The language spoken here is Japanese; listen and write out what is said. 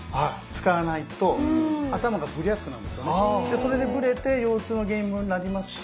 それでブレて腰痛の原因にもなりますし。